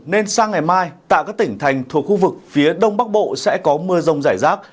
nên sang ngày mai tại các tỉnh thành thuộc khu vực phía đông bắc bộ sẽ có mưa rông rải rác